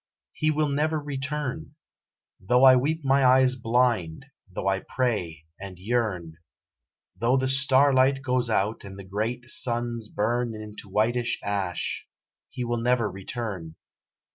He will never return; Though I weep my eyes blind, though I pray and yearn, Though the star light goes out and the great suns burn Into whitest ash, he will never return.